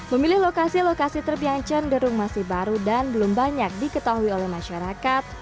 memilih lokasi lokasi truk yang cenderung masih baru dan belum banyak diketahui oleh masyarakat